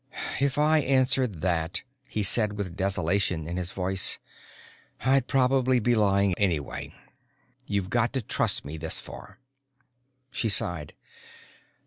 "If I answered that," he said with desolation in his voice, "I'd probably be lying anyway. You've got to trust me this far." She sighed.